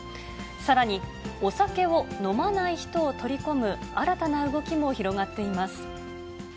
さらに、お酒を飲まない人を取り込む新たな動きも広がっています。